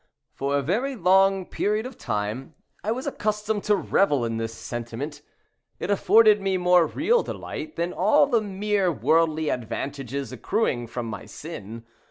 For a very long period of time I was accustomed to revel in this sentiment. It afforded me more real delight than all the mere worldly advantages accruing from my sin.